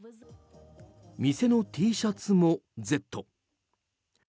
店のＴシャツもＺ。